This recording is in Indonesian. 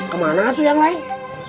kemana tuh yang lain